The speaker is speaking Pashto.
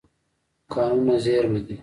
کانونه زېرمه دي.